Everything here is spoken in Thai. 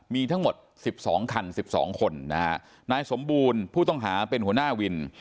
มีทั้งหมด๑๒คัน๑๒คนนะฮะนายสมบูรณ์ผู้ต้องหาเป็นหัวหน้าวิน